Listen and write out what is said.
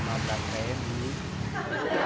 lima belas rupiah nih